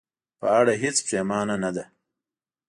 په اړه هېڅ پښېمانه نه ده.